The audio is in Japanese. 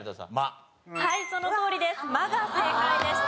そのとおりです。